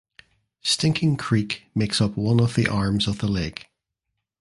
Stinking Creek makes up one of the arms of the lake.